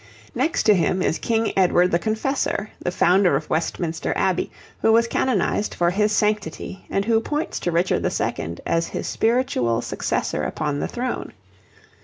Next to him is King Edward the Confessor, the founder of Westminster Abbey, who was canonized for his sanctity and who points to Richard II. as his spiritual successor upon the throne.